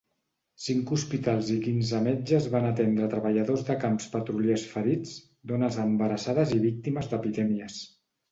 Cinc hospitals i quinze metges van atendre treballadors de camps petroliers ferits, dones embarassades i víctimes d'epidèmies.